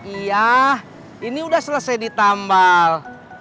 iya ini udah selesai ditambal